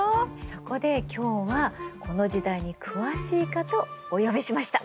そこで今日はこの時代に詳しい方をお呼びしました。